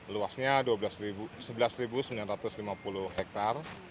luasnya sebelas sembilan ratus lima puluh hektare